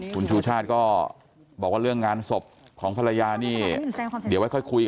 คุณชูชาติก็บอกว่าเรื่องงานศพของภรรยานี่เดี๋ยวค่อยคุย